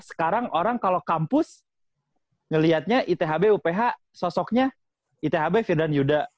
sekarang orang kalau kampus ngelihatnya ithb uph sosoknya ithb firdan yuda